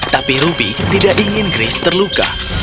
tapi ruby tidak ingin grace terluka